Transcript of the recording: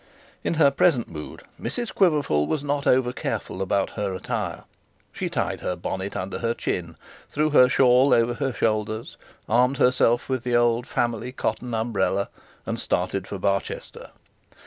In her present mood, Mrs Quiverful was not over careful about her attire. She tied her bonnet under her chin, threw her shawl over her shoulders, armed herself with the old family cotton umbrella, and started for Barchester.